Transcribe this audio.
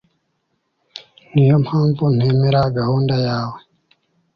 Niyo mpamvu ntemera gahunda yawe